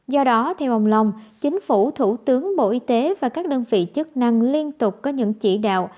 do đó theo ông long chính phủ thủ tướng bộ y tế và các đơn vị chức năng liên tục có những chỉ đạo